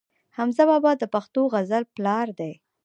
حمزه بابا د پښتو غزل پلار دی.